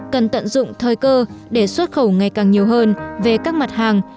cần tận dụng thời cơ để xuất khẩu ngày càng nhiều hơn về các mặt hàng